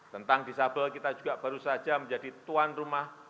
tentang disabel kita juga baru saja menjadi tuan rumah